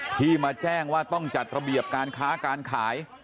ที่มาแจ้งว่าต้องจัดระเบียบการค้าการขาย